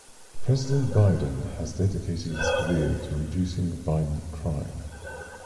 President Biden has dedicated his career to reducing violent crime.